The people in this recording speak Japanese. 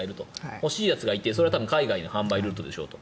欲しいやつがいて、それは海外の販売ルートでしょと。